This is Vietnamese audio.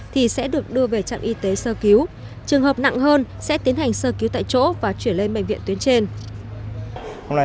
thì sẽ được đưa về trạm y tế sơ cứu trường hợp nặng hơn sẽ tiến hành sơ cứu tại chỗ và chuyển lên bệnh viện tuyến trên